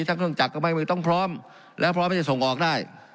ทั้งเครื่องจักรกับไม้มือต้องพร้อมและพร้อมจะส่งออกได้